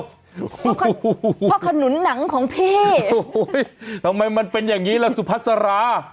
พ่อขนุนนังของเพศโอ้ยทำไมมันเป็นอย่างนี้ล่ะสุภาษารา